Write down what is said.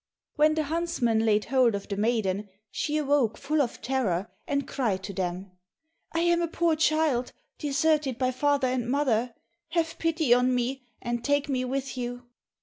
When the huntsmen laid hold of the maiden, she awoke full of terror, and cried to them, "I am a poor child, deserted by father and mother; have pity on me, and take me with you."